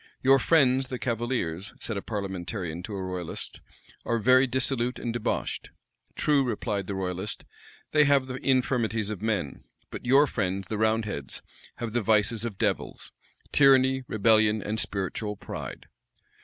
"Your friends, the cavaliers," said a parliamentarian to a royalist, "are very dissolute and debauched." "True," replied the royalist, "they have the infirmities of men; but your friends, the roundheads, have the vices of devils tyranny, rebellion, and spiritual pride."